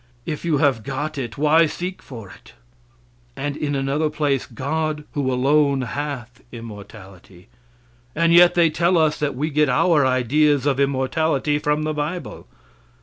If you have got it, why seek for it? And in another place: "God, who alone hath immortality;" and yet they tell us that we get our ideas of immortality from the bible.